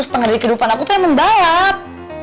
setengah dari kehidupan aku tuh kayak membalap